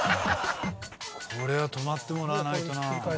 これは止まってもらわないとな。